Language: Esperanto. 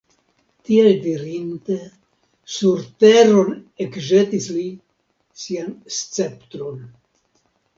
Tiel dirinte, sur teron ekĵetis li sian sceptron.